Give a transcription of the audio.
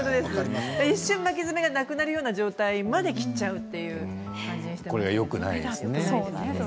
一瞬、巻き爪がなくなるような状態まで切っちゃうっていうのやっていました。